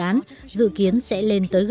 và đồng thời dự kiến sẽ đi vào hoạt động